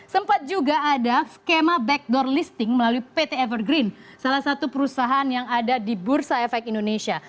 sempat juga ada skema backdoor listing melalui pt evergreen salah satu perusahaan yang ada di bursa efek indonesia